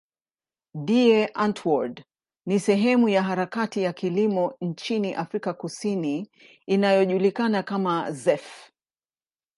Die Antwoord ni sehemu ya harakati ya kilimo nchini Afrika Kusini inayojulikana kama zef.